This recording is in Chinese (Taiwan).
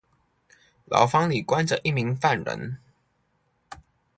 牢房裡關著一名犯人